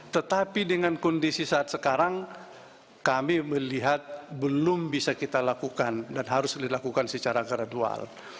tetapi dengan kondisi saat sekarang kami melihat belum bisa kita lakukan dan harus dilakukan secara gradual